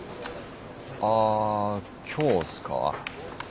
あ今日すか？